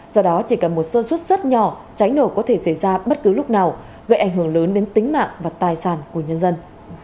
do đó chỉ cần một sơ suất rất nhỏ cháy nổ có thể xảy ra bất cứ lúc nào gây ảnh hưởng lớn đến tính mạng và tài sản của nhân dân